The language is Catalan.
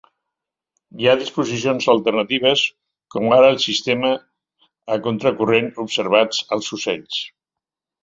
Hi ha disposicions alternatives, com ara els sistemes a contracorrent observats als ocells.